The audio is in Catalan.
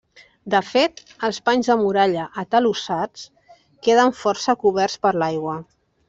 De fet, els panys de muralla atalussats queden força coberts per l'aigua.